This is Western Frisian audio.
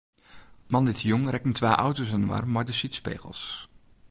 Moandeitejûn rekken twa auto's inoar mei de sydspegels.